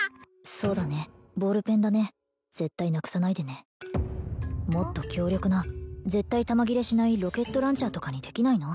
そうだねボールペンだね絶対なくさないでねもっと強力な絶対弾切れしないロケットランチャーとかにできないの？